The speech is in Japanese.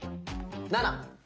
７！